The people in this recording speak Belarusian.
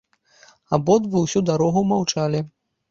Абодва ўсю дарогу маўчалі.